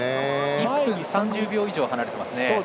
１分３０秒以上離れていますね。